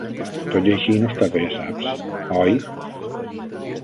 Tot i així, no està bé, saps; oi?